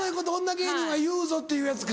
芸人は言うぞっていうやつか。